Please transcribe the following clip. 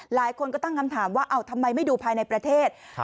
หลายคนก็ตั้งคำถามว่าทำไมไม่ดูภายในประเทศ